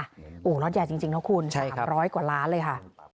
โหรอดยาจริงนะคุณ๓๐๐กว่าล้านเลยค่ะ